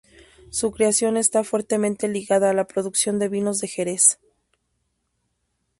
Su creación está fuertemente ligada a la producción de vinos de Jerez.